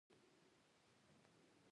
د ده په یاداشتونو چا څرنګه باور کړی.